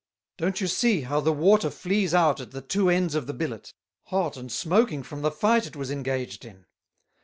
Don't you see how the Water flees out at the two ends of the Billet, hot and smoaking from the Fight it was engaged in.